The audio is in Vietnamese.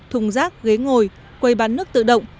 thùng rác ghế ngồi quầy bán nước tự động